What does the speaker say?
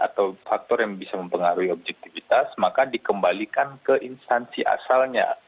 atau faktor yang bisa mempengaruhi objektivitas maka dikembalikan ke instansi asalnya